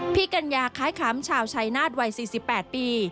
พี่กัญญาค้ายขามชาวชายนาฏวัย๔๘ปี